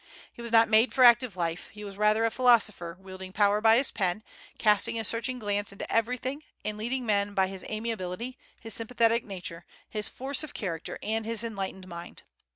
He was not made for active life; he was rather a philosopher, wielding power by his pen, casting his searching glance into everything, and leading men by his amiability, his sympathetic nature, his force of character, and his enlightened mind.